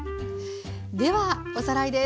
ではおさらいです。